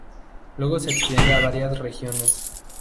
Luego se extiende a varias regiones.